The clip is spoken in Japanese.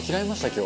今日」